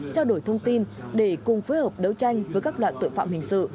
trao đổi thông tin để cùng phối hợp đấu tranh với các loại tội phạm hình sự